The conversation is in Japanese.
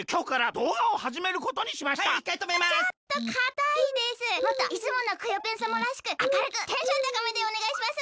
もっといつものクヨッペンさまらしくあかるくテンションたかめでおねがいします。